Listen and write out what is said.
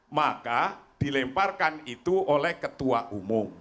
maka dilemparkan itu oleh ketua umum